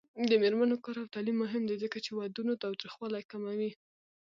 د میرمنو کار او تعلیم مهم دی ځکه چې ودونو تاوتریخوالي کموي.